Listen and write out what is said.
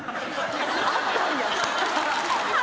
あったんや。